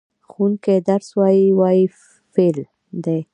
ښوونکی درس وايي – "وايي" فعل دی.